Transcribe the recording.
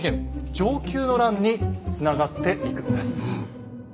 承久の乱につながっていくのです。